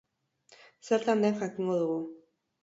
Zertan den jakingo dugu.